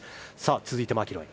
続いて、マキロイ。